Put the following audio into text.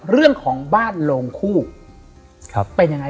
เรื่องของบ้านโลงคู่เป็นยังไง